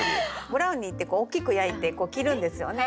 ブラウニーって大きく焼いて切るんですよね。